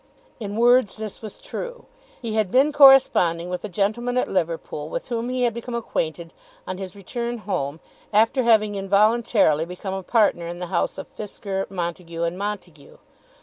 In words this was true. He had been corresponding with a gentleman at Liverpool with whom he had become acquainted on his return home after having involuntarily become a partner in the house of Fisker, Montague, and Montague.